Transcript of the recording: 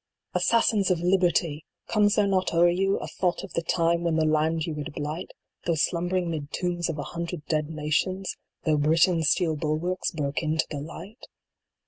Assassins of Liberty ! comes there not o er you A thought of the time, when the land you would blight, PRO PATRIA. 95 Though slumbering mid tombs of a hundred dead nations, Though Britain s steel bulwarks broke into the light